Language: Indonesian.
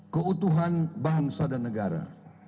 keutuhan bangsa dan negara